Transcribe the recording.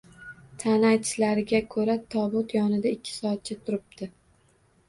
Tani, aytishlariga ko`ra, tobut yonida ikki soatcha turibdi